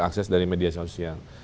akses dari media sosial